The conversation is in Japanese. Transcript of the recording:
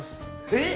えっ